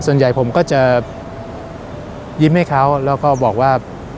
ส่วนใหญ่ผมก็จะยิ้มให้เขาแล้วก็บอกว่า